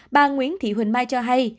bà nguyễn thị huỳnh mai cho hay